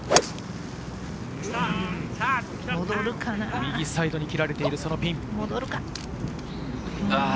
右サイドに切られているピン。